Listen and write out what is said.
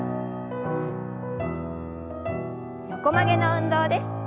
横曲げの運動です。